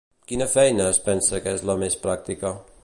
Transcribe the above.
Quina feina es pensa que és la més pràctica?